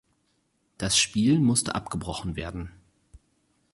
Das Spiel musste abgebrochen werden.